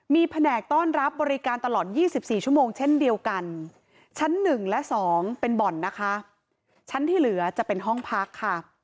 มีแผนกต้อนรับบริการตลอด๒๔ชั่วโมงเช่นเดียวกันชั้น๑และ๒เป็นบ่อนนะคะชั้นที่เหลือจะเป็นห้องพักค่ะ